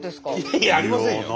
いやいやありませんよ。